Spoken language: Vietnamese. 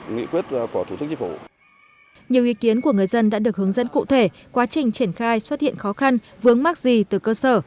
nhiều ý kiến của người dân đã được hướng dẫn cụ thể quá trình triển khai xuất hiện khó khăn vướng mắc gì từ cơ sở